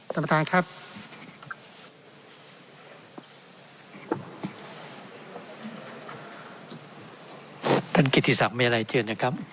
ท่านกิจศัพท์มีอะไรเจอนะครับ